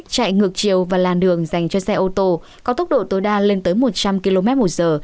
chạy ngược chiều và làn đường dành cho xe ô tô có tốc độ tối đa lên tới một trăm linh km một giờ